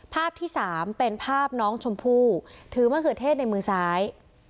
ภาพที่สามเป็นภาพน้องชมพู่ถือมะเขือเทศในมือซ้าย